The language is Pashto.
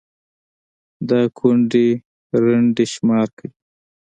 دا كونـډې رنـډې شمار كړئ